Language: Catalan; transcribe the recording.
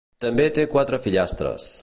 També té quatre fillastres.